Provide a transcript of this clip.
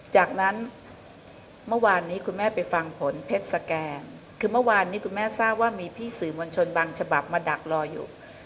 จากนั้นเมื่อวานนี้คุณแม่ไปฟังผลเพชรสแกนคือเมื่อวานนี้คุณแม่ทราบว่ามีพี่สื่อมวลชนบางฉบับมาดักรออยู่